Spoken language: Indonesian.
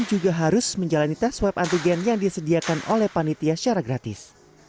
juga harus menjalani tes swab antigen yang disediakan oleh panitia secara gratis